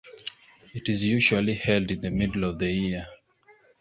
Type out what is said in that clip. It is usually held in the middle of the year.